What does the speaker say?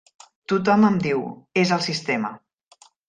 Tothom em diu: és el sistema.